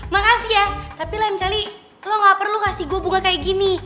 makasih ya tapi lain kali lo gak perlu kasih gue bunga kayak gini